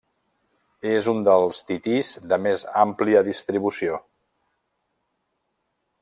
És un dels titís de més àmplia distribució.